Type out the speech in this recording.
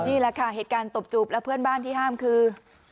นี่แหละค่ะเหตุการณ์ตบจูบและเพื่อนบ้านที่ห้ามคือ